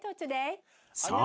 そう。